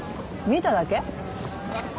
見ただけ？